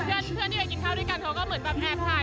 เพื่อนที่กินข้าวที่กันเขาเหมือนแอบถ่าย